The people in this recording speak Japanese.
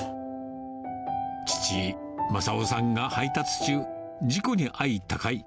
父、まさおさんが配達中、事故に遭い、他界。